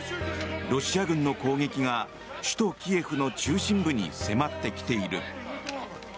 ロシア軍の攻撃が首都キエフの中心部に迫ってきている。